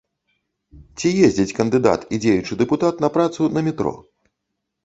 Ці ездзіць кандыдат і дзеючы дэпутат на працу на метро?